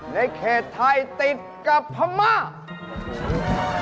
ในเขตไทยติดกับภรรมภรรภ์